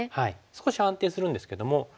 少し安定するんですけども。